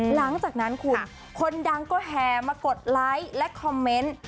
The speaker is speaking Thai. หลังจากนั้นคุณคนดังก็แห่มากดไลค์และคอมเมนต์